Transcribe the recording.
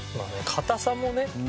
硬さもね。